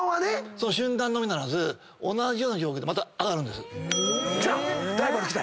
その瞬間のみならず同じような状況でまた上がる。来た！